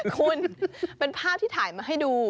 คุณเป็นภาพที่ถ่ายมาให้ดู